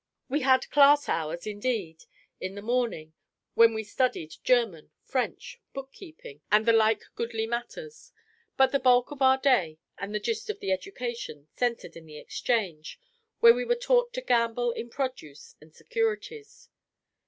We had class hours, indeed, in the morning, when we studied German, French, book keeping, and the like goodly matters; but the bulk of our day and the gist of the education centred in the exchange, where we were taught to gamble in produce and securities.